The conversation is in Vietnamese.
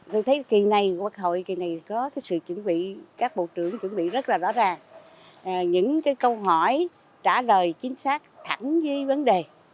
tôi thấy kỳ này quốc hội kỳ này có cái sự chuẩn bị các bộ trưởng chuẩn bị rất là rõ ràng những cái câu hỏi trả lời chính xác thẳng với vấn đề